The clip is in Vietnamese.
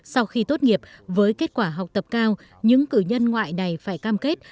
sau khi tốt nghiệp với kết quả học tập cao những cử nhân ngoại này phải cam kết